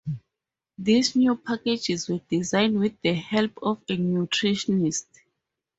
These new packages were designed with the help of a nutritionist.